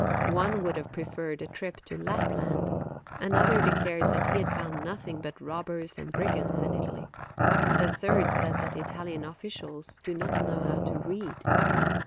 One would have preferred a trip in Lapland ; another declared that he had found nothing but robbers and brigands in Italy; the third said that Italian officials do not know how to read.